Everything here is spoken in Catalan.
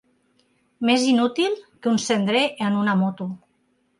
Més inútil que un cendrer en una moto.